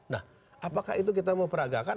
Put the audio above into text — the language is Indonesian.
nah apakah itu kita mau peragakan